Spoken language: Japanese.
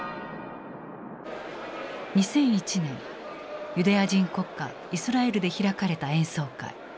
２００１年ユダヤ人国家イスラエルで開かれた演奏会。